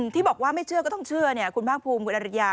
ที่บอกว่าไม่เชื่อก็ต้องเชื่อเนี่ยคุณภาคภูมิคุณอริยา